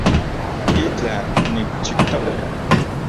Itlaj nikchijtok